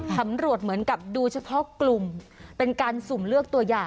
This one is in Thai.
สำรวจเหมือนกับดูเฉพาะกลุ่มเป็นการสุ่มเลือกตัวอย่าง